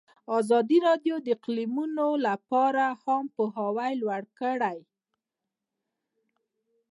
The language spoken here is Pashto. ازادي راډیو د اقلیتونه لپاره عامه پوهاوي لوړ کړی.